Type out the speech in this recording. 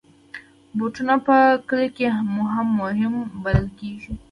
بوټونه په کلیو کې هم مهم بلل کېږي.